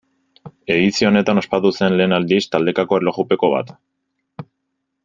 Edizio honetan ospatu zen, lehen aldiz, taldekako erlojupeko bat.